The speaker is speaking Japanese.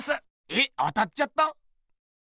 えっ当たっちゃった？